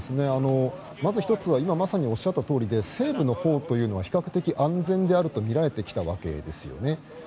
まず１つは、今まさにおっしゃったように西部のほうというのは比較的安全であるとみられてきたわけですよね。